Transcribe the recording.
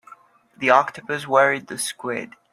The octopus worried the squid.